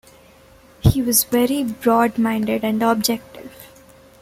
He was very broad minded and objective.